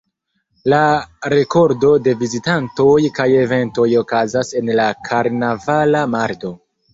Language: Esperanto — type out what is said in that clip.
La rekordo de vizitantoj kaj eventoj okazas en la karnavala mardo.